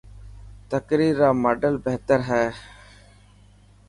تقرير را ماڊل بهتر هئي.